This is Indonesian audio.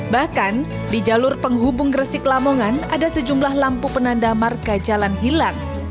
bahkan di jalur penghubung gresik lamongan ada sejumlah lampu penanda marka jalan hilang